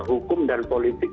hukum dan politik